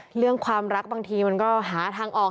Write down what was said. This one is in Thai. เรื่องความรักบางทีมันก็หาทางออก